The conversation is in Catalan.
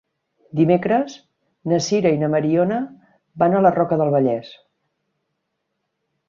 Dimecres na Sira i na Mariona van a la Roca del Vallès.